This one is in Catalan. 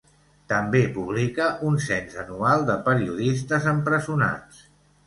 També publica un cens anual de periodistes empresonats.